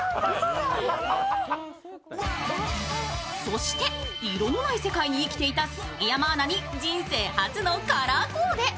そして、色のない世界に生きていた杉山アナに人生初のカラーコーデ。